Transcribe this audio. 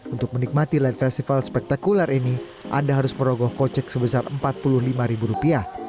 untuk menikmati light festival spektakuler ini anda harus merogoh kocek sebesar rp empat puluh lima